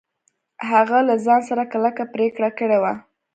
هغه له ځان سره کلکه پرېکړه کړې وه.